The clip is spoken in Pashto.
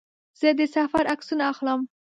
زه د سفر عکسونه اخلم.